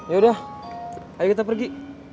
yaudah ayo kita pergi